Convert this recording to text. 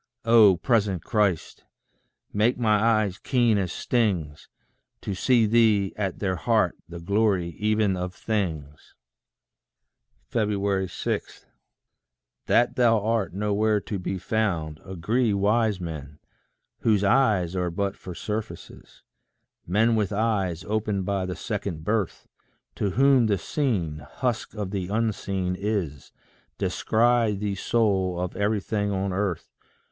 Oh, present Christ! make my eyes keen as stings, To see thee at their heart, the glory even of things. 6. That thou art nowhere to be found, agree Wise men, whose eyes are but for surfaces; Men with eyes opened by the second birth, To whom the seen, husk of the unseen is, Descry thee soul of everything on earth.